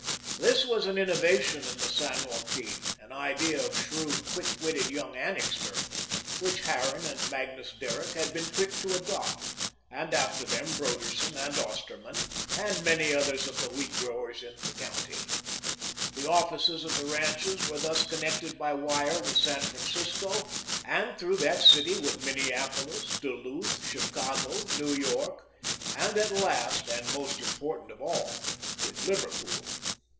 This was an innovation in the San Joaquin, an idea of shrewd, quick witted young Annixter, which Harran and Magnus Derrick had been quick to adopt, and after them Broderson and Osterman, and many others of the wheat growers of the county. The offices of the ranches were thus connected by wire with San Francisco, and through that city with Minneapolis, Duluth, Chicago, New York, and at last, and most important of all, with Liverpool.